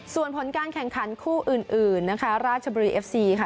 ส่วนผลการแข่งขันคู่อื่นนะคะราชบุรีเอฟซีค่ะ